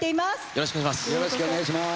よろしくお願いします。